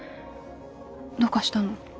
どうかしたの？